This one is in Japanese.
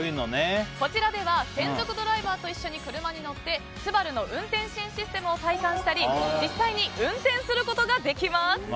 こちらでは専属ドライバーと一緒に車に乗ってＳＵＢＡＲＵの運転支援システムを体感したり実際に運転することができます。